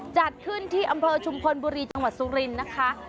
จัดขึ้นที่อำเภอชุมพลบุรีจังหวัดสุรินทร์นะคะ